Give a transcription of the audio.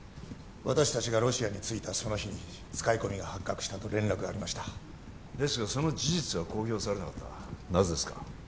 私達がロシアに着いたその日に使い込みが発覚したと連絡がありましたですがその事実は公表されなかったなぜですか？